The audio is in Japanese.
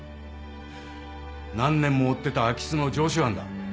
何年も追ってた空き巣の常習犯だ。